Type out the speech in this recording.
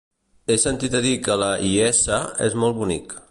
He sentit a dir que la Iessa és molt bonic.